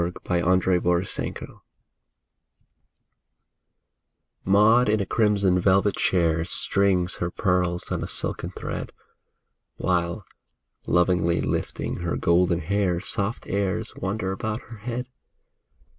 MAUD AND MADGE Maud in a crimson velvet chair Strings her pearls on a silken thread, While, lovingly lifting her golden hair, Soft airs wander about her head.